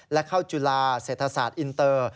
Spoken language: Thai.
และเข้าจุฬาเศรษฐศาสตร์อินเตอร์